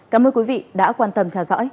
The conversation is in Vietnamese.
cảm ơn quý vị đã quan tâm theo dõi